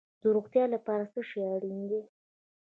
د روغتیا لپاره څه شی اړین دي؟